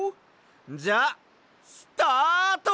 じゃあスタート！